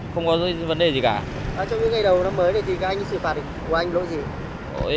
trong những ngày đầu năm mới này thì các anh xử phạt của anh lỗi gì